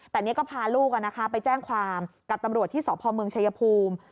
แต่นี่ก็พาลูกไปแจ้งความกับตำรวจที่สพเมืองชายภูมิ